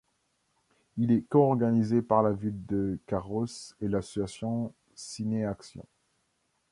Il est co-organisé par la ville de Carros et l'association Cinéactions.